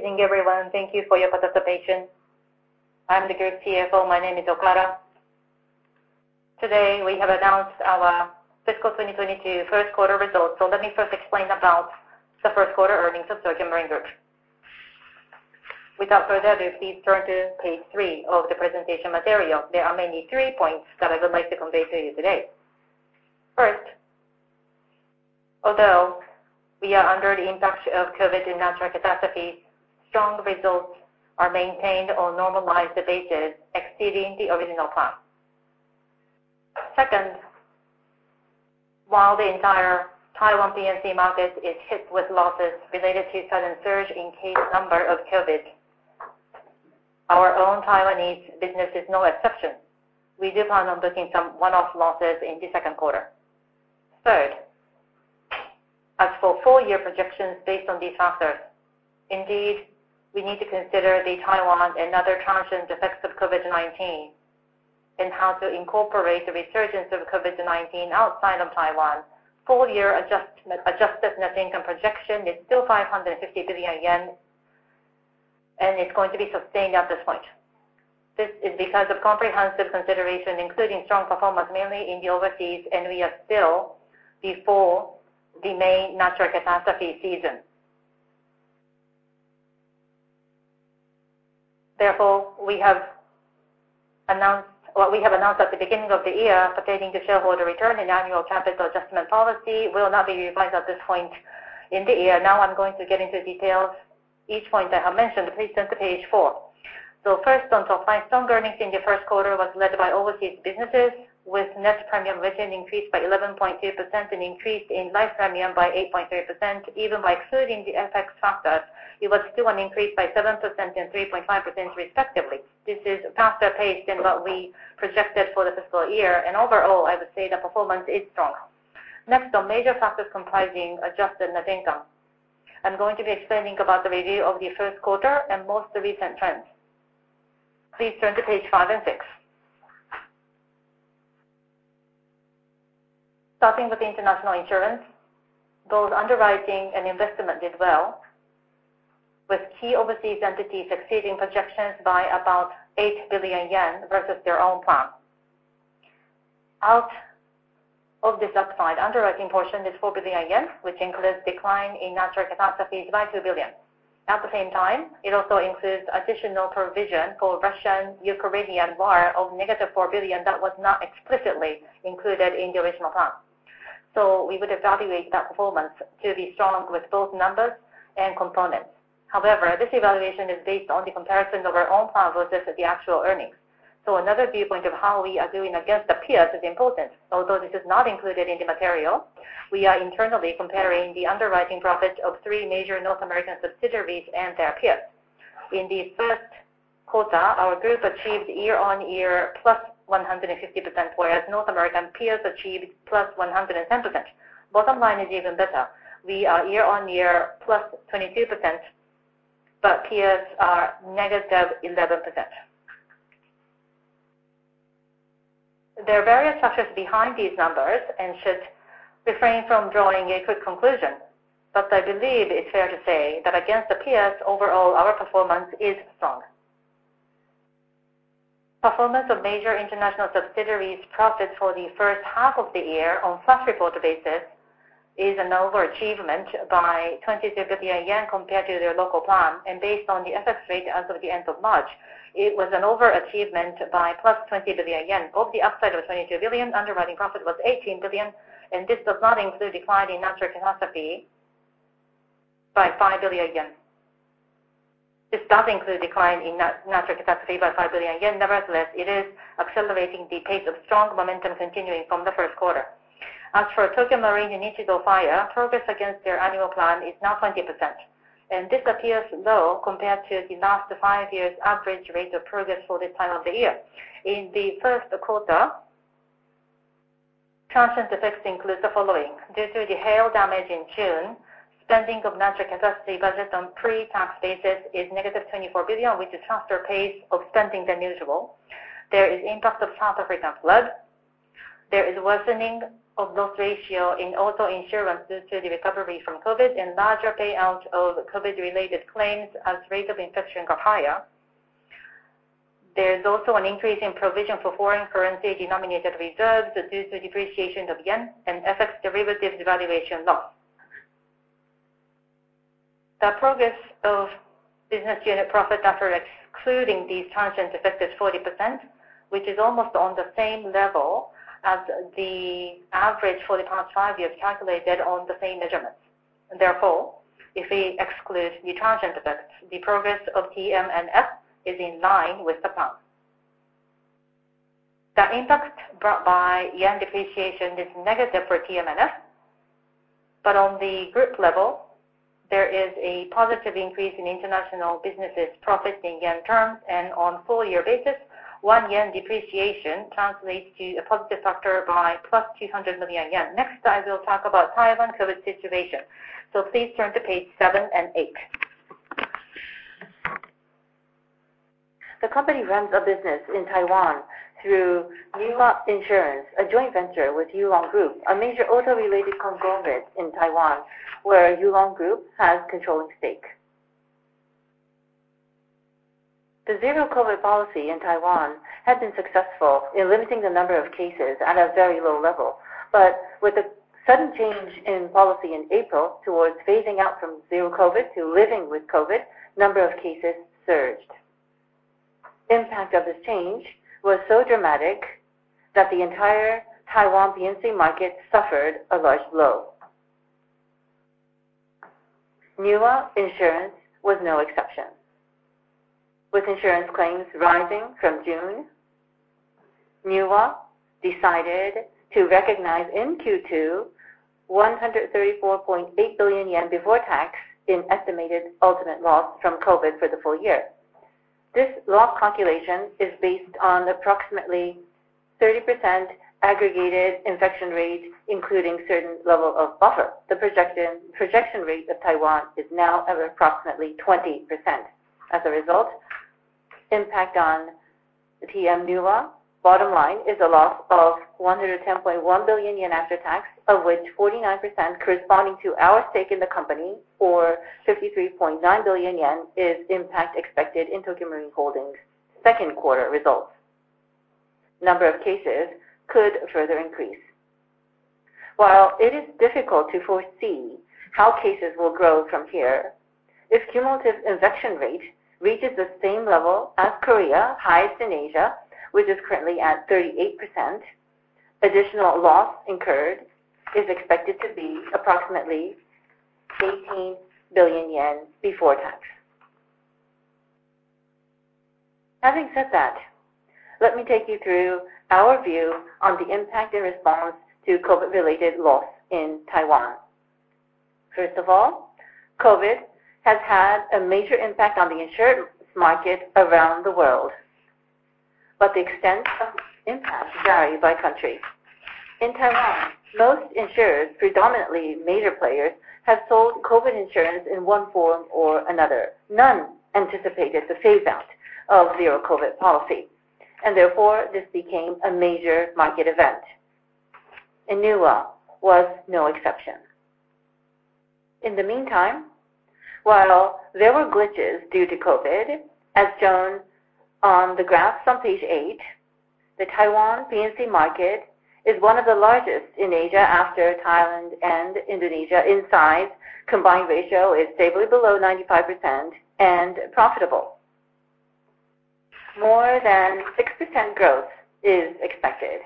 Good evening, everyone. Thank you for your participation. I'm the Group CFO. My name is Kenji Okada. Today, we have announced our fiscal 2022 first quarter results. Let me first explain about the first quarter earnings of Tokio Marine Group. Without further ado, please turn to page three of the presentation material. There are mainly three points that I would like to convey to you today. First, although we are under the impact of COVID and natural catastrophe, strong results are maintained on normalized basis, exceeding the original plan. Second, while the entire Taiwan P&C market is hit with losses related to sudden surge in case number of COVID, our own Taiwanese business is no exception. We do plan on booking some one-off losses in the second quarter. Third, as for full year projections based on these factors, indeed, we need to consider the Taiwan and other transient effects of COVID-19 and how to incorporate the resurgence of COVID-19 outside of Taiwan. Full year adjusted net income projection is still 550 billion yen, and it's going to be sustained at this point. This is because of comprehensive consideration, including strong performance mainly in the overseas, and we are still before the main natural catastrophe season. Therefore, what we have announced at the beginning of the year pertaining to shareholder return and annual capital adjustment policy will not be revised at this point in the year. Now I'm going to get into details, each point I have mentioned. Please turn to page four. First on top line, strong earnings in the first quarter was led by overseas businesses, with net premiums written increased by 11.2% and increase in life premiums by 8.3%. Even by excluding the FX factors, it was still an increase by 7% and 3.5% respectively. This is faster pace than what we projected for the fiscal year. Overall, I would say the performance is strong. Next on major factors comprising adjusted net income. I'm going to be explaining about the review of the first quarter and most recent trends. Please turn to page five and six. Starting with the international insurance, both underwriting and investment did well, with key overseas entities exceeding projections by about 8 billion yen versus their own plan. Out of this upside, underwriting portion is 4 billion yen, which includes decline in natural catastrophes by 2 billion. At the same time, it also includes additional provision for Russian-Ukrainian war of -4 billion that was not explicitly included in the original plan. We would evaluate that performance to be strong with both numbers and components. However, this evaluation is based on the comparison of our own plan versus the actual earnings. Another viewpoint of how we are doing against the peers is important. Although this is not included in the material, we are internally comparing the underwriting profit of three major North American subsidiaries and their peers. In the first quarter, our group achieved year-on-year +150%, whereas North American peers achieved +110%. Bottom line is even better. We are year-on-year +22%, but peers are -11%. There are various factors behind these numbers and should refrain from drawing a quick conclusion. I believe it's fair to say that against the peers, overall, our performance is strong. Performance of major international subsidiaries profits for the first half of the year on reported basis is an overachievement by 22 billion yen compared to their local plan. Based on the FX rate as of the end of March, it was an overachievement by +20 billion yen. Of the upside of 22 billion, underwriting profit was 18 billion, and this does not include decline in natural catastrophe by 5 billion yen. This does include decline in natural catastrophe by 5 billion yen. Nevertheless, it is accelerating the pace of strong momentum continuing from the first quarter. As for Tokio Marine & Nichido Fire, progress against their annual plan is now 20%, and this appears low compared to the last five years average rate of progress for this time of the year. In the first quarter, transient effects include the following. Due to the hail damage in June, spending of natural catastrophe budget on pre-tax basis is -24 billion, which is faster pace of spending than usual. There is impact of South African flood. There is worsening of loss ratio in auto insurance due to the recovery from COVID and larger payouts of COVID-related claims as rates of infection go higher. There is also an increase in provision for foreign currency denominated reserves due to depreciation of yen and FX derivatives valuation loss. The progress of business unit profit after excluding these transient effects is 40%, which is almost on the same level as the average for the past five years calculated on the same measurements. Therefore, if we exclude the transient effects, the progress of TMNF is in line with the plan. The impact brought by yen depreciation is negative for TMNF. On the group level, there is a positive increase in international businesses profit in yen terms. On full year basis, 1 yen depreciation translates to a positive factor by +200 million yen. Next, I will talk about Taiwan COVID situation. Please turn to page seven and eight. The company runs a business in Taiwan through Newa Insurance, a joint venture with Yulon Group, a major auto-related conglomerate in Taiwan, where Yulon Group has controlling stake. The zero-COVID policy in Taiwan had been successful in limiting the number of cases at a very low level. With the sudden change in policy in April towards phasing out from zero-COVID to living with COVID, number of cases surged. Impact of this change was so dramatic that the entire Taiwan P&C market suffered a large blow. Newa Insurance was no exception. With insurance claims rising from June, Newa decided to recognize in Q2 134.8 billion yen before tax in estimated ultimate loss from COVID for the full year. This loss calculation is based on approximately 30% aggregated infection rate, including certain level of buffer. The infection rate of Taiwan is now at approximately 20%. As a result, impact on TMNewa bottom line is a loss of 110.1 billion yen after tax, of which 49% corresponding to our stake in the company or 53.9 billion yen is impact expected in Tokio Marine Holdings second quarter results. Number of cases could further increase. While it is difficult to foresee how cases will grow from here, if cumulative infection rate reaches the same level as Korea, highest in Asia, which is currently at 38%, additional loss incurred is expected to be approximately 18 billion yen before tax. Having said that, let me take you through our view on the impact and response to COVID-related loss in Taiwan. First of all, COVID has had a major impact on the insurance market around the world, but the extent of impact vary by country. In Taiwan, most insurers, predominantly major players, have sold COVID insurance in one form or another. None anticipated the phase out of zero-COVID policy, and therefore, this became a major market event, and Newa was no exception. In the meantime, while there were glitches due to COVID, as shown on the graphs on page 8, the Taiwan P&C market is one of the largest in Asia after Thailand and Indonesia in size. Combined ratio is stably below 95% and profitable. More than 6% growth is expected.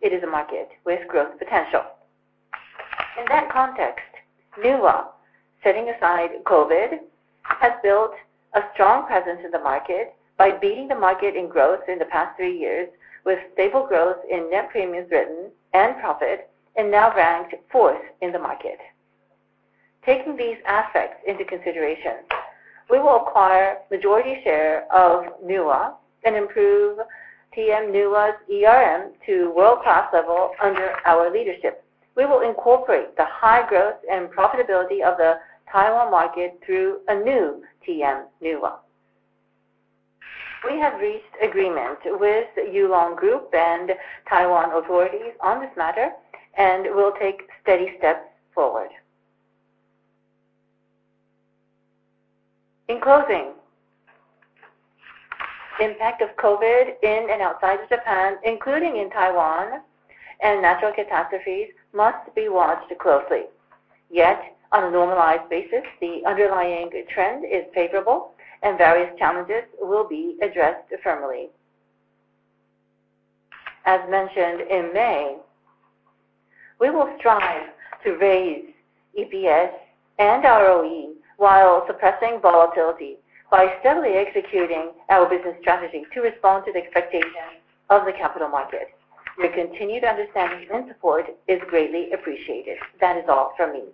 It is a market with growth potential. In that context, Newa, setting aside COVID, has built a strong presence in the market by beating the market in growth in the past three years with stable growth in net premiums written and profit and now ranked fourth in the market. Taking these aspects into consideration, we will acquire majority share of Newa and improve TMNewa's ERM to world-class level under our leadership. We will incorporate the high growth and profitability of the Taiwan market through a new TMNewa. We have reached agreement with Yulon Group and Taiwan authorities on this matter and will take steady steps forward. In closing, impact of COVID in and outside of Japan, including in Taiwan and natural catastrophes, must be watched closely. Yet, on a normalized basis, the underlying trend is favorable, and various challenges will be addressed firmly. As mentioned in May, we will strive to raise EPS and ROE while suppressing volatility by steadily executing our business strategy to respond to the expectations of the capital market. Your continued understanding and support is greatly appreciated. That is all for me.